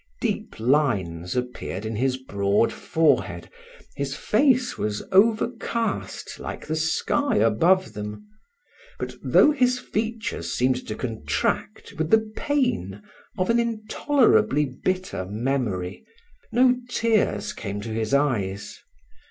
Deep lines appeared in his broad forehead, his face was overcast like the sky above them; but though his features seemed to contract with the pain of an intolerably bitter memory, no tears came to his eyes.